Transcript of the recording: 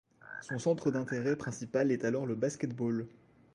Son centre d'intérêt principal est alors le basket-ball.